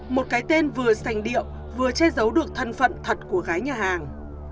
một cái tên vừa sành điệu vừa che giấu được thân phận thật của gái nhà hàng